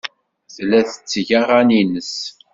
Tella tetteg aɣan-nnes.